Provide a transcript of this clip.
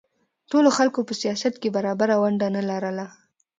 ټولو خلکو په سیاست کې برابره ونډه نه لرله